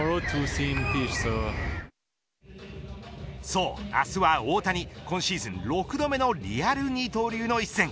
そう、明日は大谷今シーズン６度目のリアル二刀流の一戦。